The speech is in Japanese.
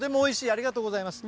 ありがとうございます。